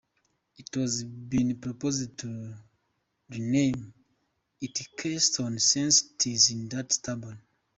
It has been proposed to rename it 'Kelston' since it is in that suburb.